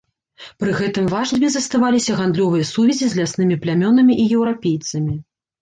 Пры гэтым важнымі заставаліся гандлёвыя сувязі з ляснымі плямёнамі і еўрапейцамі.